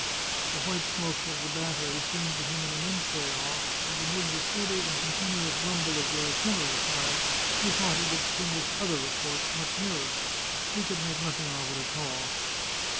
The white smoke of the bat tery seemed to him an immense way off, and amid the steady and continuous grumble of the artillery fire he thought he could distinguish other reports, much nearer. He could make nothing of it at all.